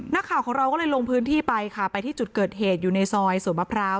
นักข่าวของเราก็เลยลงพื้นที่ไปค่ะไปที่จุดเกิดเหตุอยู่ในซอยสวนมะพร้าว